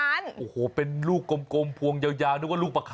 ไอ้ย่ะธุรกิจพอเพียง